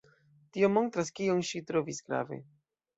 Tio montras, kion ŝi trovis grave.